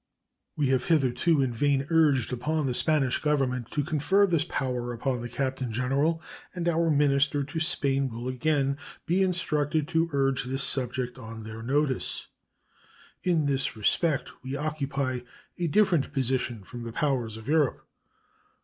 We have hitherto in vain urged upon the Spanish Government to confer this power upon the Captain General, and our minister to Spain will again be instructed to urge this subject on their notice. In this respect we occupy a different position from the powers of Europe.